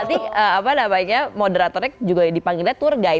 nanti apa namanya moderatornya juga dipanggilnya tour guide